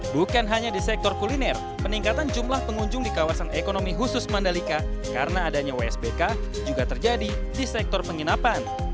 bukan hanya di sektor kuliner peningkatan jumlah pengunjung di kawasan ekonomi khusus mandalika karena adanya wsbk juga terjadi di sektor penginapan